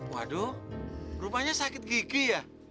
waduh rumahnya sakit gigi ya